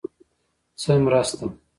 _څه مرسته؟